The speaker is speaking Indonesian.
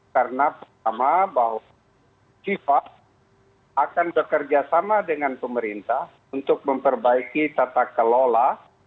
karena pertama bahwa kifas akan bekerjasama dengan pemerintah untuk memperbaiki tata kelola